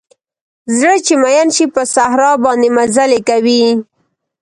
زړه چې مئین شي په صحرا باندې مزلې کوي